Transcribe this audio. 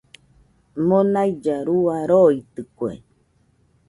Monailla rua roitɨkue